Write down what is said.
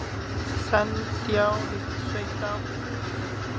三貂嶺隧道